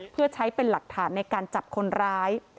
เพื่อใช้เป็นหลักฐานในการจับคนร้าย